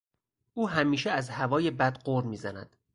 او همیشه از هوای بد غر میزند.